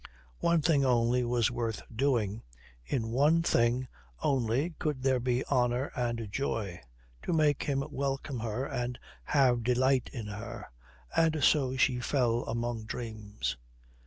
One thing only was worth doing, in one thing only could there be honour and joy, to make him welcome her and have delight in her... And so she fell among dreams....